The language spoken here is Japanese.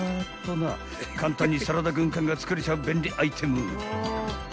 ［簡単にサラダ軍艦が作れちゃう便利アイテム］